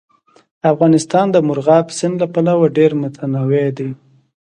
افغانستان د مورغاب سیند له پلوه ډېر متنوع دی.